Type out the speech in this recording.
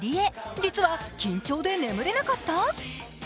実は緊張で眠れなかった？